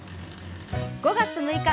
５月６日